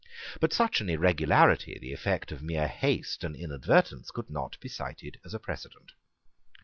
But such an irregularity, the effect of mere haste and inadvertence, could not be cited as a precedent.